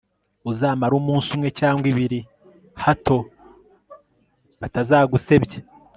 uzamare umunsi umwe cyangwa ibiri hato batazagusebya